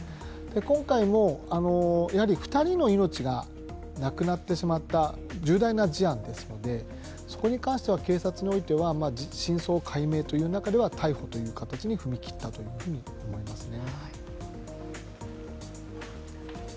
今回も２人の命が亡くなってしまった重大な事案ですのでそこに関しては警察においては真相解明という中で逮捕という形に踏み切ったというふうに思いますね。